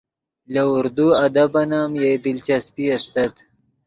لے اردو ادبن ام یئے دلچسپی استت